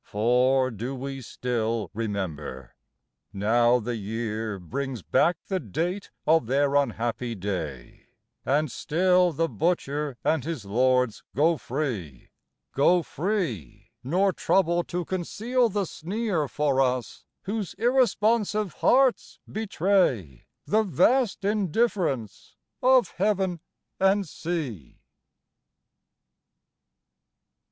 For do we still remember? Now the year Brings back the date of their unhappy day, And still the butcher and his lords go free Go free, nor trouble to conceal the sneer For us whose irresponsive hearts betray The vast indifference of heaven and sea.